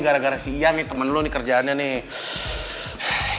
gara gara siang nih temen lu nih kerjaannya nih